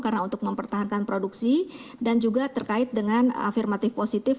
karena untuk mempertahankan produksi dan juga terkait dengan afirmatif positif